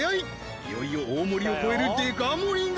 いよいよ大盛を超えるデカ盛が！